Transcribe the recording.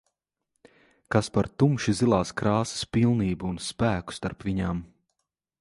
Kas par tumši zilās krāsas pilnību un spēku starp viņām.